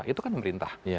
itu kan pemerintah